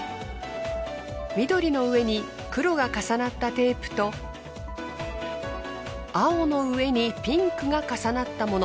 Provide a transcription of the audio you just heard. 緑の上に黒が重なったテープと青の上にピンクが重なったもの。